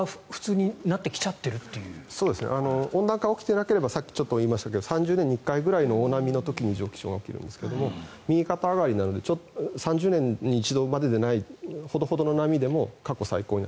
温暖化が起きていなければさっきちょっと言いましたが３０年に１回ぐらいの大波の時に異常気象が起きるんですが右肩上がりなので３０年に一度までではないほどほどの波でも過去最高に。